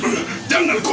kau tak mau